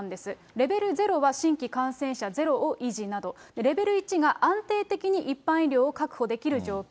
レベル０は新規感染者ゼロなど、レベル１が安定的に一般医療を確保できる状況。